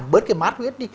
giảm bớt cái mát huyết đi